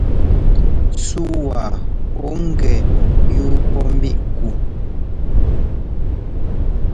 Súu waa ɔ̂ gɛ yúu pɔʼ mbíʼ ku?